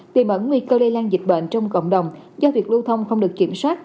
vì mở nguy cơ lây lan dịch bệnh trong cộng đồng do việc lưu thông không được kiểm soát